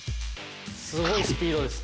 すごいスピードです。